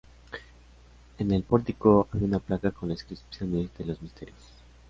En el pórtico había una placa con las inscripciones de los misterios.